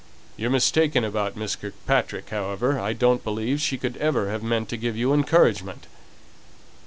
You're mistaken about Miss Kirkpatrick, however. I don't believe she could ever have meant to give you encouragement!"